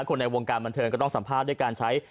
ในวงการบันเทิงก็ต้องสัมภาษณ์ด้วยการใช้